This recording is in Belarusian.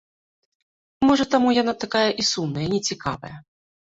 Можа, таму яна такая і сумная, нецікавая.